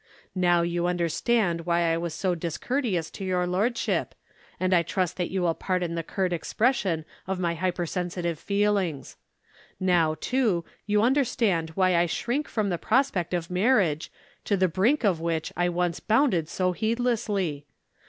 Now you understand why I was so discourteous to your lordship, and I trust that you will pardon the curt expression of my hyper sensitive feelings. Now, too, you understand why I shrink from the prospect of marriage, to the brink of which I once bounded so heedlessly.